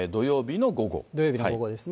土曜日の午後ですね。